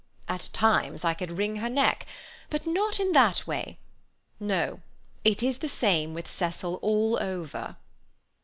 At times I could wring her neck. But not in that way. No. It is the same with Cecil all over."